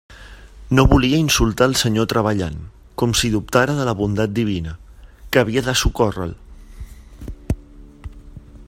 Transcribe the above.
No volia insultar el Senyor treballant, com si dubtara de la bondat divina, que havia de socórrer-lo.